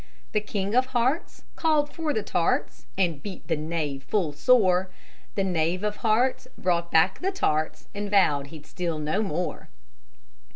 The King of Hearts Called for the tarts, And beat the Knave full sore; The Knave of Hearts Brought back the tarts, And vowed he'd steal no more.